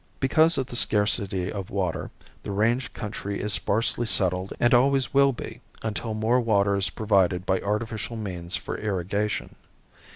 Because of the scarcity of water the range country is sparsely settled and always will be until more water is provided by artificial means for irrigation.